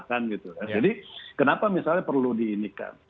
jadi kenapa misalnya perlu diinikan